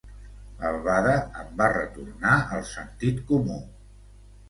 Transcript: L'albada em va retornar el sentit comú.